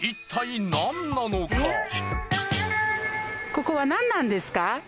ここは何なんですか？